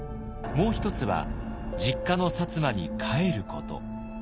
もう一つは実家の薩摩に帰ること。